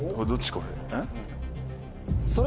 これ。